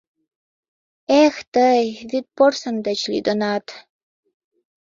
— Эх тый, вӱдпорсын деч лӱдынат!